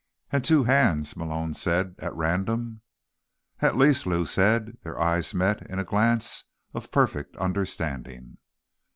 "And two hands," Malone said at random. "At least," Lou said. Their eyes met in a glance of perfect understanding.